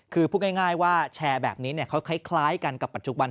คือพูดง่ายว่าแชร์แบบนี้เขาคล้ายกันกับปัจจุบัน